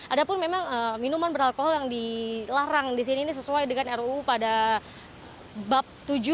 ada pun memang minuman beralkohol yang dilarang di sini ini sesuai dengan ruu pada bab tujuh